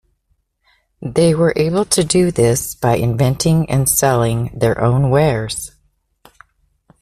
They were able to do this by inventing and selling their own wares.